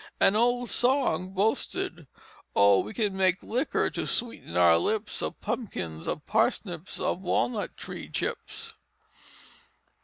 An old song boasted: "Oh, we can make liquor to sweeten our lips Of pumpkins, of parsnips, of walnut tree chips."